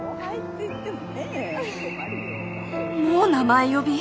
もう名前呼び？